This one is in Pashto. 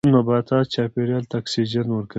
نباتات چاپیریال ته اکسیجن ورکوي